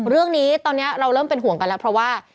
เรื่องนี้ตอนนี้เราเริ่มเป็นห่วงกันแล้วเพราะว่า